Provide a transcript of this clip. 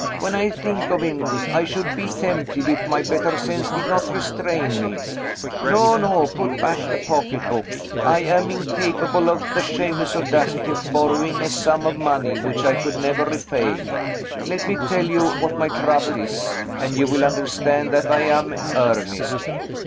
When I think of him, I should be tempted if my better sense did not restrain me No! no! put back the pocketbook. I am incapable of the shameless audacity of borrowing a sum of money which I could never repay. Let me tell you what my trouble is, and you will understand that I am in earnest.